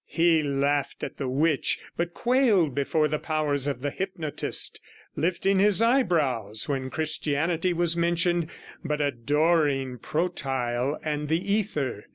He laughed at the witch, but quailed before the powers of the hypnotist, lifting his eyebrows when Christianity was mentioned, but adoring protyle and the ether.